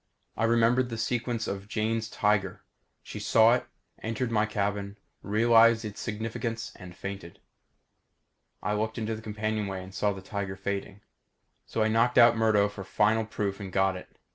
I remembered the sequence of Jane's tiger. She saw it, entered my cabin, realized its significance, and fainted. I looked into the companionway and saw the tiger fading. So I knocked out Murdo for final proof and got it.